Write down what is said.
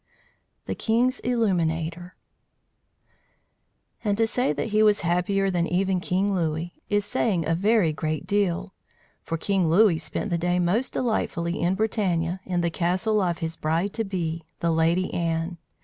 THE KING'S ILLUMINATOR AND to say that he was happier than even King Louis, is saying a very great deal; for King Louis spent the day most delightfully in Bretagne, in the castle of his bride to be, the Lady Anne.